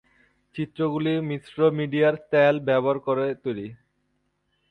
চিত্রগুলি মিশ্র মিডিয়ায় তেল ব্যবহার করে তৈরী।